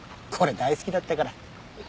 これ大好きだったから。